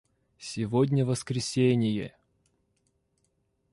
Сегодня воскресение.